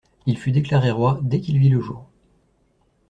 Il fut déclaré roi dès qu’il vit le jour.